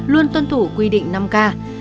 luôn tuân thủ quy định năm k